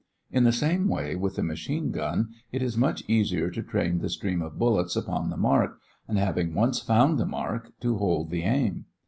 In the same way, with the machine gun, it is much easier to train the stream of bullets upon the mark, and, having once found the mark, to hold the aim.